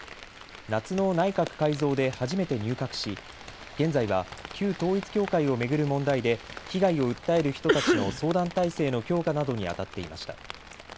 夏の内閣改造で初めて入閣し現在は旧統一教会を巡る問題で被害を訴える人たちの相談体制の強化などにあたっていました。